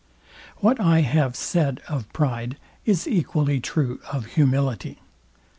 What I have said of pride is equally true of humility.